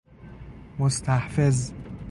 مستحفظ